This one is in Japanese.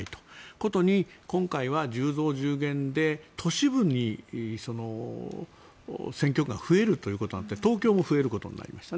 殊に今回は１０増１０減で都市部に選挙区が増えるということになって東京も増えることになりました。